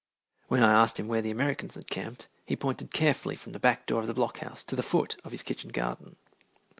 When I asked him where the Americans had camped, he pointed carefully from the back door of the Block House to the foot of his kitchen garden.